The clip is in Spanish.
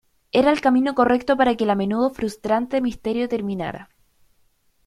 Era el camino correcto para que el a menudo frustrante misterio terminara".